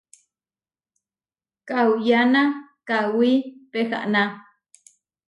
Kauyána kawí pehaná.